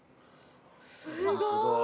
すごーい。